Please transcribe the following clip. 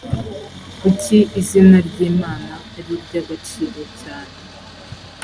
kuki izina ry’imana ari iry’agaciro cyane?